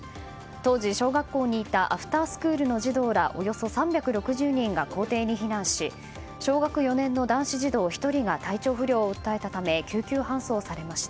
当時小学校にいたアフタースクールの児童らおよそ３６０人が校庭に避難し小学４年の男子児童１人が体調不良を訴えたため救急搬送されました。